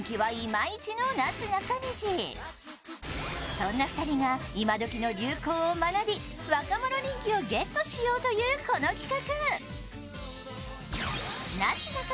そんな２人が今どきの流行を学び若者人気をゲットしようというこの企画。